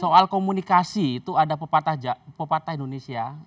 soal komunikasi itu ada pepatah indonesia